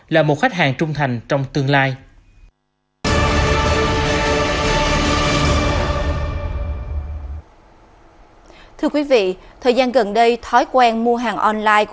là một khách hàng trung thành trong tương lai